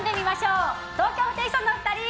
東京ホテイソンのお二人！